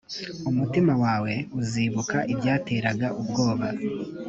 umutima wawe uzibuka ibyateraga ubwoba